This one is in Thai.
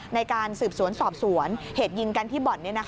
ในการสืบสวนสอบสวนเหตุยิงกันที่บ่อน